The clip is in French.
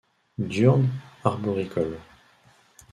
Diurne, arboricole.